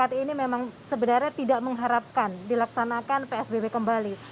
masyarakat ini memang sebenarnya tidak mengharapkan dilaksanakan psbb kembali